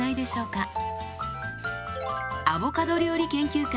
アボカド料理研究家